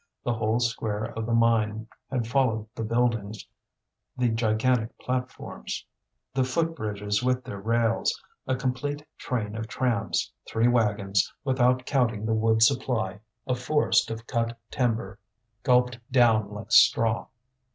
The whole square of the mine had followed the buildings, the gigantic platforms, the foot bridges with their rails, a complete train of trams, three wagons; without counting the wood supply, a forest of cut timber, gulped down like straw.